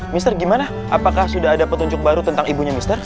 mr gimana apakah sudah ada petunjuk baru tentang ibunya mr